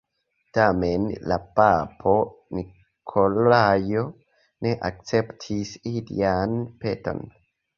Tamen la papo Nikolao ne akceptis ilian peton.